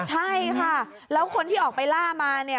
ใช่ค่ะแล้วคนที่ออกไปล่ามาเนี่ย